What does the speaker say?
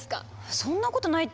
そんなことないって。